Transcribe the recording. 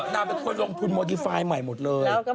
นางเป็นคนลงทุนโมดีไฟล์ใหม่หมดเลย